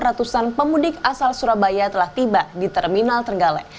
ratusan pemudik asal surabaya telah tiba di terminal trenggalek